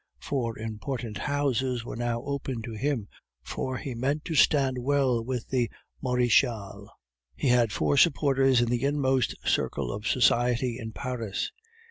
Four important houses were now open to him for he meant to stand well with the Marechale; he had four supporters in the inmost circle of society in Paris.